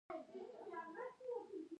عصري تعلیم مهم دی ځکه چې د ډیزاین تنکینګ ښيي.